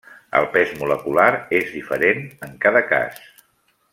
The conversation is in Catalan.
El pes molecular és diferent en cada cas.